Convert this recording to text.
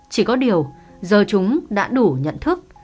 chỉ có điều giờ chúng đã đủ nhận thức